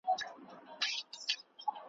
دا له کومو جنتونو یې راغلی .